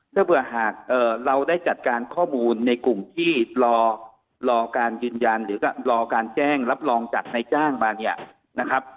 ถ้าเผื่อหากเราได้จัดการข้อมูลในกลุ่มที่รอการยืนยันหรือรอการแจ้งรับรองจากนายจ้างมาเนี่ยนะครับ